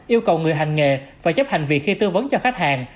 yêu cầu người hành nghề phải chấp hành việc khi tư vấn cho khách hàng